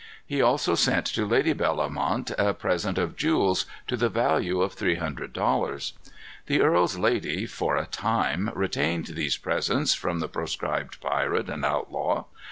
He also sent to Lady Bellomont a present of jewels, to the value of three hundred dollars. The earl's lady, for a time, retained these presents from the proscribed pirate and outlaw.